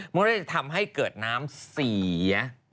มันก็เลยจะทำให้เกิดน้ำเสีย